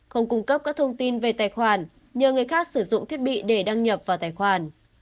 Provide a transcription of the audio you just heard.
không cung cấp các thông tin về tài khoản nhờ người khác sử dụng thiết bị để đăng nhập vào tài khoản